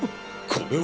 これは。